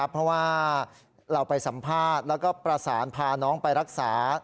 เพราะว่าเราไปสัมภาษณ์แล้วก็ประสานพาน้องไปรักษา